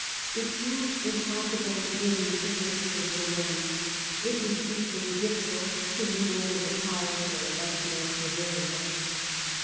It proved impossible to gain the fickle Duke of Lorraine ; it was equally difficult to win over the powerful Elector of Bavaria.